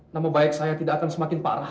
nama baik saya tidak akan semakin parah